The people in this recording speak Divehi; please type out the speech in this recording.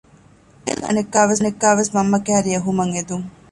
ކައިލް އަނެއްކާވެސް މަންމަ ކައިރީ އެހުމަށް އެދުން